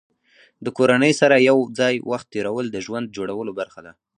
د کورنۍ سره یو ځای وخت تېرول د ژوند جوړولو برخه ده.